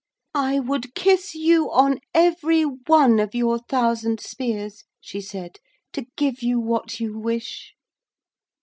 'I would kiss you on every one of your thousand spears,' she said, 'to give you what you wish.'